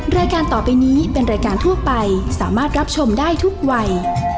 รายการต่อไปนี้เป็นรายการทั่วไปสามารถรับชมได้ทุกวัย